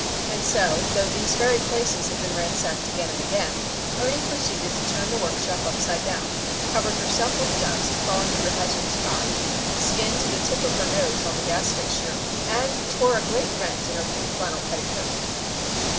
And so, though these very places have been ransacked again and again, Ernie proceeded to turn the workshop upside down;—covered herself with dust crawling under Hazard's cot, skinned the tip of her nose on the gas fixture, and tore a great rent in her pink flannel petticoat.